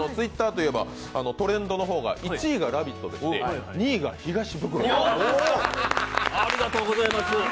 Ｔｗｉｔｔｅｒといえば、トレンドが１位が「ラヴィット！」で、２位が東ブクロ。